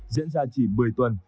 diễn ra chỉ một mươi tuần